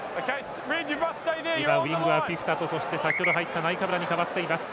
今、ウイングはフィフィタと先ほど入ったナイカブラに代わっています。